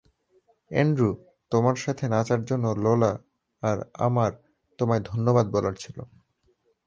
Andrew, তোমার সাথে নাচার জন্য লোলা আর আমার তোমায় ধন্যবাদ বলার ছিল।